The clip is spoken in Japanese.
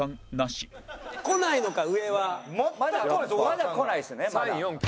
まだ来ないですよねまだ。